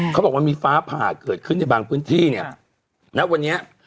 เขาบอกว่ามีฟ้าผ่าเกิดขึ้นในบางพื้นที่เนี่ยณวันนี้